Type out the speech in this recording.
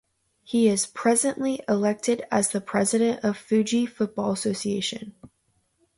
He is presently elected as the president of Fiji Football Association.